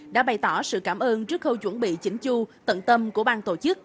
đã bày tỏ sự cảm ơn trước khâu chuẩn bị chỉnh chu tận tâm của bang tổ chức